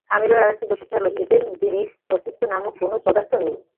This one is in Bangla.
অ্যামিবার আরেকটি বৈশিষ্ট্য হলো, এদের দেহে মস্তিষ্ক নামক কোনো পদার্থ নেই।